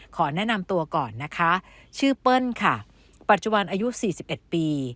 ขอแนะนำตัวก่อนนะคะชื่อเปิ้ลค่ะปัจจุบันอายุ๔๑ปี